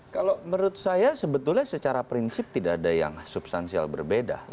kalau menurut saya sebetulnya secara prinsip tidak ada yang substansial berbeda